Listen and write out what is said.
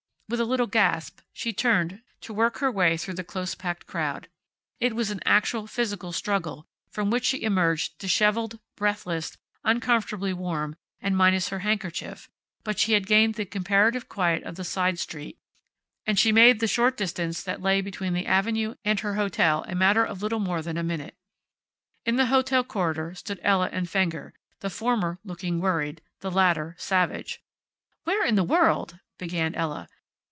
With a little gasp she turned to work her way through the close packed crowd. It was an actual physical struggle, from which she emerged disheveled, breathless, uncomfortably warm, and minus her handkerchief, but she had gained the comparative quiet of the side street, and she made the short distance that lay between the Avenue and her hotel a matter of little more than a minute. In the hotel corridor stood Ella and Fenger, the former looking worried, the latter savage. "Where in the world " began Ella.